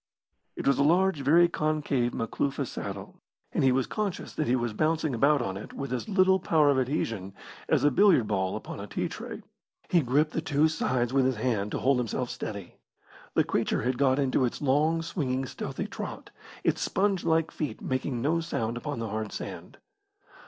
It was a large, very concave Makloofa saddle, and he was conscious that he was bouncing about on it with as little power of adhesion as a billiard ball upon a tea tray. He gripped the two sides with his hands to hold himself steady. The creature had got into its long, swinging, stealthy trot, its sponge like feet making no sound upon the hard sand.